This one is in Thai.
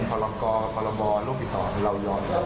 มันกลายเป็นเรื่องเลือดตอนนี้มันกลายเป็นเรื่อง